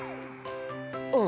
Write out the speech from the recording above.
うん。